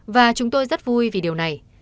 và chúng tôi rất vui vì điều này